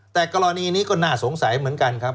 แต่กรณีนี้ก็น่าสงสัยเหมือนกันครับ